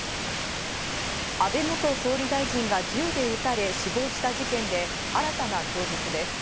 安倍元総理大臣が銃で撃たれ死亡した事件で新たな供述です。